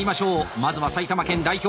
まずは埼玉県代表